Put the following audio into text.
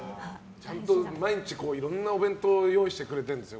毎日いろんなお弁当を用意してくれてるんですよ。